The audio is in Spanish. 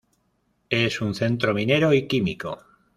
Es un centro minero y químico.